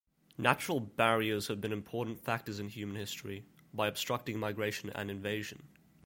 Natural barriers have been important factors in human history, by obstructing migration and invasion.